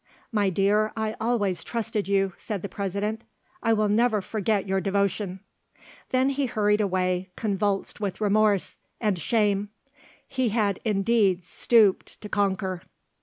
"My dear, I always trusted you," said the President; "I will never forget your devotion." Then he hurried away, convulsed with remorse, and shame. He had indeed stooped to conquer.